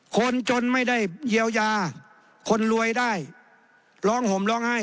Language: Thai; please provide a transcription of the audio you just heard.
คนจนไม่ได้เยียวยาคนรวยได้ร้องห่มร้องไห้